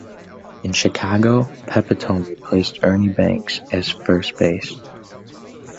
In Chicago, Pepitone replaced Ernie Banks at first base.